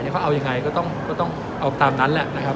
แล้วก็เอายังไงก็ต้องก็ต้องเอาตามนั้นแหละนะครับ